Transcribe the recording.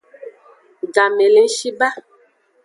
Game le ng shi ba.